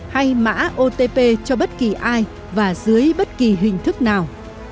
hay mã otp cho bất kỳ ai và dưới bất kỳ hình thức nào